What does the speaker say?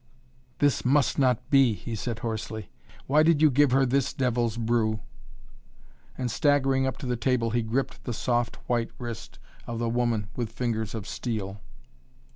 "This must not be," he said hoarsely. "Why did you give her this devil's brew?" And staggering up to the table he gripped the soft white wrist of the woman with fingers of steel.